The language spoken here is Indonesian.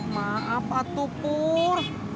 maaf pak tupur